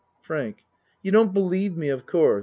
FRANK You don't believe me of course.